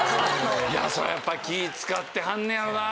そりゃやっぱ気ぃ使ってはんねやろな。